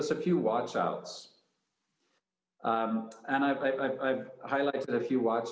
setelah mengatakan itu saya ingin memberikan beberapa perhatian